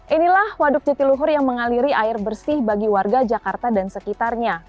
inilah waduk jatiluhur yang mengaliri air bersih bagi warga jakarta dan sekitarnya